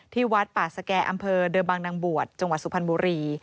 วัดป่าสแก่อำเภอเดิมบางนางบวชจังหวัดสุพรรณบุรี